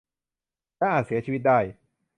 และอาจเสียชีวิตได้